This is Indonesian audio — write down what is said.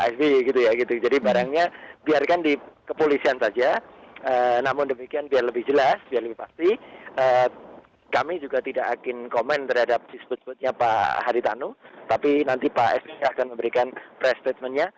saya juga tidak akin komen terhadap disebut sebutnya pak haditanu tapi nanti pak s akan memberikan prestatemennya